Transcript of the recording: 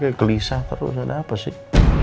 kamu kayak gelisah terus ada apa sih